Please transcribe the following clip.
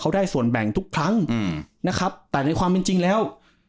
เขาได้ส่วนแบ่งทุกครั้งอืมนะครับแต่ในความเป็นจริงแล้ว